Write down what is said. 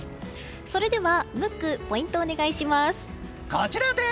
それではムックポイントをお願いします。